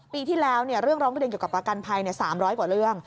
ปีที่แล้วเรื่องร้องเรียนเกี่ยวกับประกันภัย๓๐๐กว่าเรื่อง